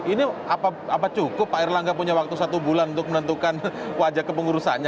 ini cukup pak erlangga punya waktu satu bulan untuk menentukan wajah kepengurusannya